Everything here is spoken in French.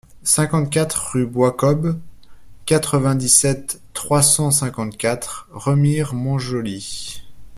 cinquante-quatre rue Bois Kobe, quatre-vingt-dix-sept, trois cent cinquante-quatre, Remire-Montjoly